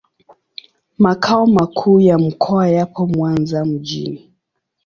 Makao makuu ya mkoa yapo Mwanza mjini.